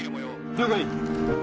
了解！